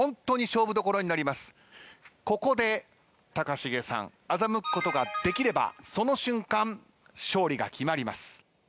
ここで高重さん欺くことができればその瞬間勝利が決まります。